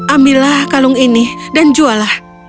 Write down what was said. ambillah kalung ini dan juallah